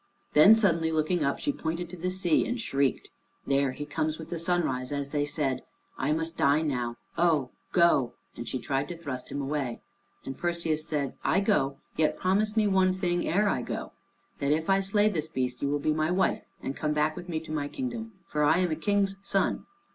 Then suddenly looking up, she pointed to the sea and shrieked, "There he comes with the sunrise as they said. I must die now. Oh go!" And she tried to thrust him away. And Perseus said, "I go, yet promise me one thing ere I go, that if I slay this beast you will be my wife and come back with me to my kingdom, for I am a King's son.